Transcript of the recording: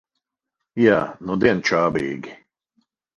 Jā, nudien čābīgi.